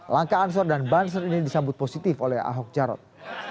langkah ansor dan banser ini disambut positif oleh ahok jarot